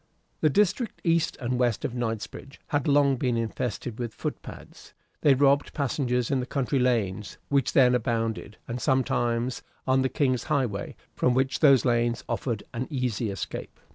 The district east and west of Knightsbridge had long been infested with foot pads; they robbed passengers in the country lanes, which then abounded, and sometimes on the King's highway, from which those lanes offered an easy escape.